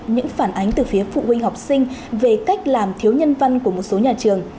những phản ánh từ phía phụ huynh học sinh về cách làm thiếu nhân văn của một số nhà trường